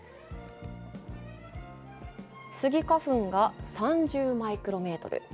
スギ花粉が３０マイクロメートル。